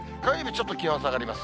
ちょっと気温下がります。